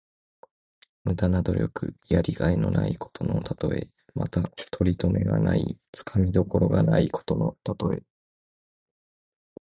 無駄な努力。やりがいのないことのたとえ。また、とりとめがない、つかみどころがないことのたとえ。